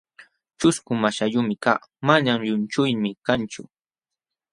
ćhusku maśhayuqmi kaa, manam llunchuynii kanchu.